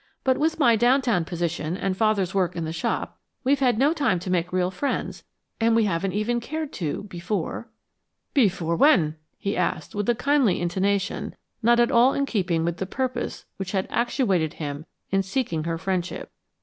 But with my downtown position and Father's work in the shop, we've had no time to make real friends and we haven't even cared to before." "Before when?" he asked with a kindly intonation not at all in keeping with the purpose which had actuated him in seeking her friendship.